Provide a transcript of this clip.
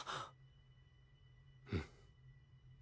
うん。